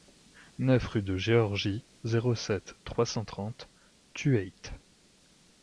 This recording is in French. neuf rue de Georgie, zéro sept, trois cent trente Thueyts